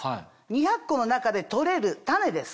２００個の中で採れる種です